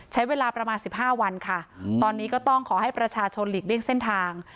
ใช้เวลาประมาณ๑๕วันค่ะตอนนี้ก็ต้องขอให้ประชาชนหลีกเลี่ยงเส้นทาง